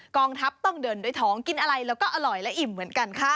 กองทัพต้องเดินด้วยท้องกินอะไรแล้วก็อร่อยและอิ่มเหมือนกันค่ะ